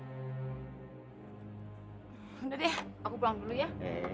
udah deh aku buang dulu ya